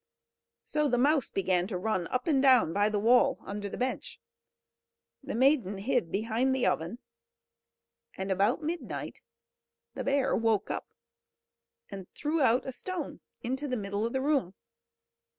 So the mouse began to run up and down by the wall, under the bench. The maiden hid behind the oven, and about midnight the bear woke up, and threw out a stone into the middle of the room.